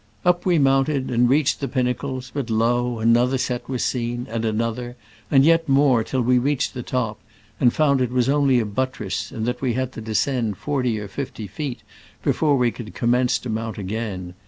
Up we mount ed, and reached the pinnacles ; but, lo ! another set was seen, and another, and yet more, till we reached the top, and found it was only a buttress, and that we had to descend forty or fifty feet before we could commence to mount again.